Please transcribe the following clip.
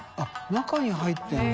中に入ってるの？